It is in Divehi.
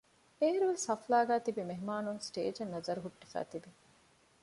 އޭރުވެސް ހަފްލާގައި ތިބި މެހެމާނުން ސްޓޭޖަށް ނަޒަރު ހުއްޓިފައި ތިވި